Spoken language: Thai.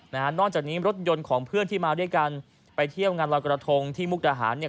นอกจากนี้รถยนต์ของเพื่อนที่มาด้วยกันไปเที่ยวงานรอยกระทงที่มุกดาหารเนี่ย